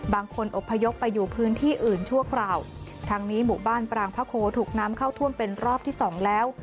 บางคนอบพยพไปอยู่พื้นที่อื่นชั่วคราวทางนี้หมู่บ้านปรางพระโคถูกน้ำเข้าท่วมเป็นรอบที่สองแล้ว